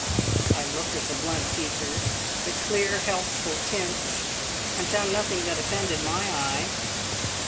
I looked at the blunt features, the clear, healthful tints, and found nothing that offended my eye.